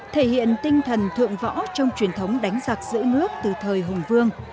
thể hiện tinh thần thượng võ trong truyền thống đánh giặc giữ nước từ thời hùng vương